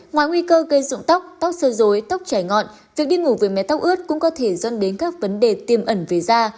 ngoài nguy cơ gây dụng tóc tóc sơ dối tóc chảy ngọn việc đi ngủ với mái tóc ướt cũng có thể dân đến các vấn đề tiêm ẩn về da